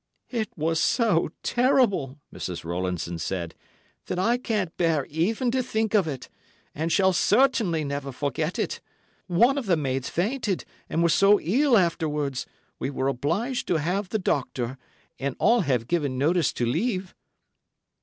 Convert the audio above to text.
"It was so terrible," Mrs. Rowlandson said, "that I can't bear even to think of it, and shall certainly never forget it. One of the maids fainted, and was so ill afterwards, we were obliged to have the doctor, and all have given notice to leave."